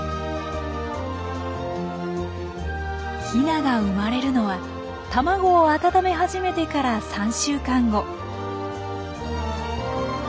ヒナが生まれるのは卵を温め始めてから３週間後。